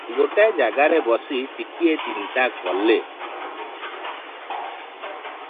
ଗୋଟାଏ ଜାଗାରେ ବସି ଟିକିଏ ଚିନ୍ତା କଲେ।